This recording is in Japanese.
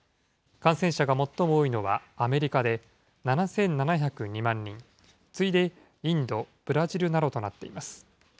感染者が最も多いのはアメリカで７７０２万人、次いでインド、ブラジルなどとなっています。